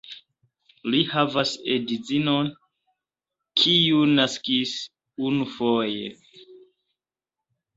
Li havas edzinon, kiu naskis unufoje.